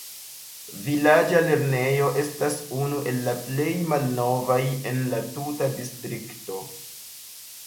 Vilaĝa lernejo estas unu el la plej malnovaj en la tuta distrikto.